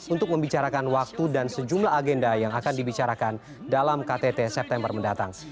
untuk membicarakan waktu dan sejumlah agenda yang akan dibicarakan dalam ktt september mendatang